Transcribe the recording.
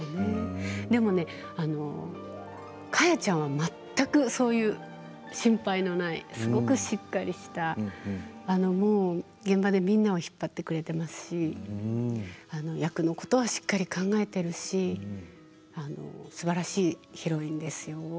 でも果耶ちゃんは全くそういう心配のないすごくしっかりした現場で、みんなを引っ張ってくれていますし役のことはしっかり考えているしすばらしいヒロインです。